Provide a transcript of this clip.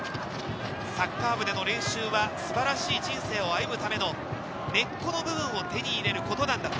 サッカー部での練習は素晴らしい人生を歩むための根っこの部分を手に入れることなんだ。